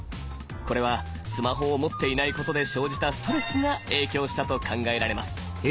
これはスマホを持っていないことで生じたストレスが影響したと考えられます。